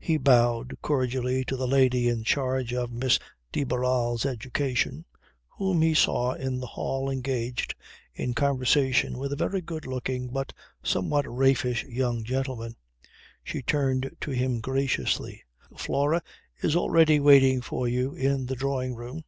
He bowed cordially to the lady in charge of Miss de Barral's education, whom he saw in the hall engaged in conversation with a very good looking but somewhat raffish young gentleman. She turned to him graciously: "Flora is already waiting for you in the drawing room."